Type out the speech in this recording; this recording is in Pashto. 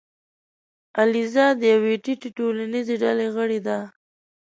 الیزا د یوې ټیټې ټولنیزې ډلې غړې ده.